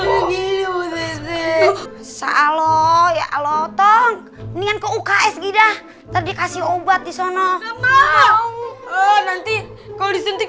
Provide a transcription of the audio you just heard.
gini gini bisa loh ya lo tong mendingan ke uks gidah tadi kasih obat di sana nanti kalau disintik